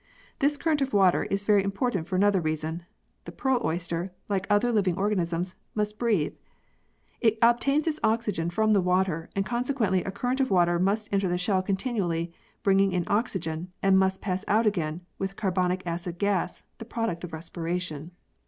This current of water is very important for another reason the pearl oyster, like other living organisms, must breathe. It obtains its oxygen from the water, and consequently a current of water must enter the shell continually, bringing in oxygen, and must pass out again with carbonic acid gas, the product of re spiration.